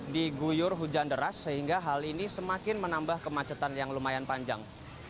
diguyur hujan deras sehingga hal ini semakin menambah kemacetan yang lumayan panjang